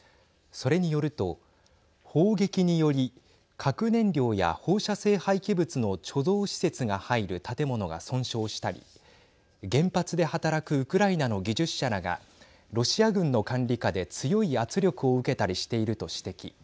それによると、砲撃により核燃料や放射性廃棄物の貯蔵施設が入る建物が損傷したり原発で働くウクライナの技術者らがロシア軍の管理下で強い圧力を受けたりしていると指摘。